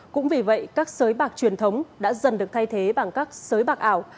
cũng vì vậy các sới bạc truyền thống đã dần được thay thế bằng các sới bạc ảo